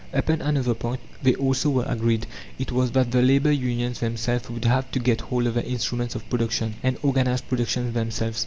Upon another point they also were agreed. It was that the labour unions themselves would have to get hold of the instruments of production, and organize production themselves.